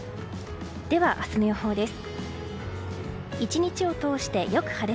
では明日の予報です。